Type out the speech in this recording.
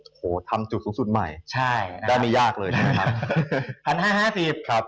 โอ้โฮทำจุดสุดใหม่ได้มียากเลยใช่ไหมครับ